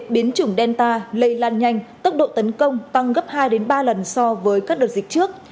biến chủng delta lây lan nhanh tốc độ tấn công tăng gấp hai ba lần so với các đợt dịch trước